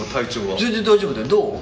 全然大丈夫だよ、どう？